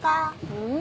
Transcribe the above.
うん？